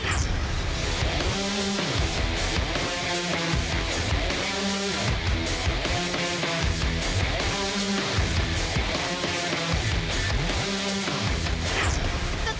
สติปต่อมา